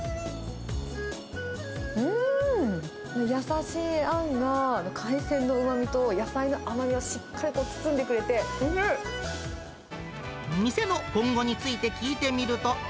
うーん、優しいあんが海鮮のうまみと野菜の甘みをしっかり包んでくれて、店の今後について聞いてみると。